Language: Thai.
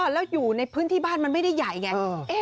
แล้วอยู่ในพื้นที่บ้านมันไม่ได้ใหญ่ไง